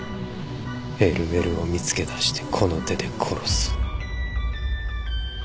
ＬＬを見つけだしてこの手で殺す。